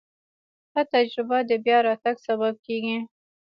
ښه تجربه د بیا راتګ سبب کېږي.